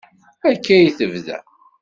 Akka i d-tebda.